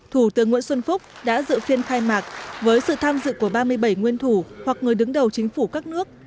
thủ tướng nguyễn xuân phúc đã dự phiên khai mạc với sự tham dự của ba mươi bảy nguyên thủ hoặc người đứng đầu chính phủ các nước